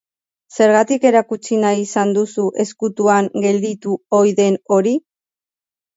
Zergatik erakutsi nahi izan duzu ezkutuan gelditu ohi den hori?